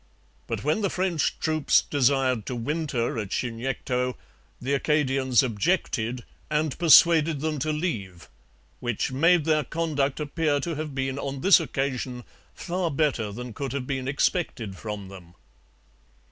But when the French troops desired to winter at Chignecto, the Acadians objected and persuaded them to leave, which 'made their conduct appear to have been on this occasion far better than could have been expected from them.'